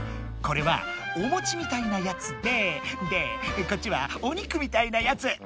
これはおもちみたいなやつででこっちはお肉みたいなやつ。